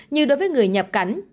như đối với người nhập cảnh